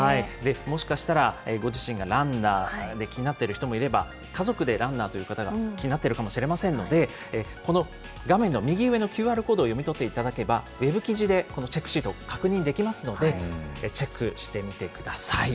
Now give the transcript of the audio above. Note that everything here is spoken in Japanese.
もしかしたらご自身がランナーで気になっている人もいれば、家族でランナーという方が気になってるかもしれませんので、この画面の右上のＱＲコードを読み取っていただけば、ウェブ記事でこのチェックシート確認できますので、チェックしてみてください。